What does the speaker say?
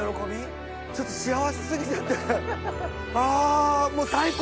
あもう。